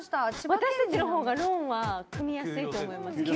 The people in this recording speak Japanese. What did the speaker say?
私たちのほうがローンは組みやすいと思います。